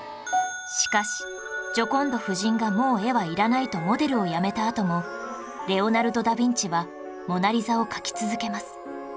しかしジョコンド夫人がもう絵はいらないとモデルをやめたあともレオナルド・ダ・ヴィンチは『モナ・リザ』を描き続けます